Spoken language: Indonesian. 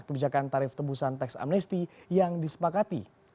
kebijakan tarif tebusan teks amnesti yang disepakati